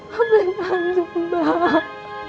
maafin tante mbak